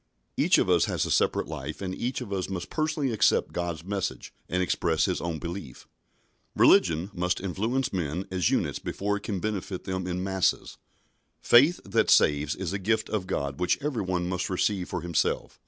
Each of us has a separate life, and each of us must personally accept God's message and express his own belief. Religion must influence men as units before it can benefit them in masses. Faith that saves is a gift of God which every one must receive for himself.